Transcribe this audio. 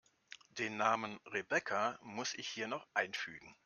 Den Namen Rebecca muss ich hier noch einfügen.